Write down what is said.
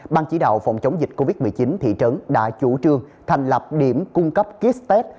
ban chỉ đạo phòng chống dịch covid một mươi chín thị trấn đã chủ trương thành lập điểm cung cấp kit test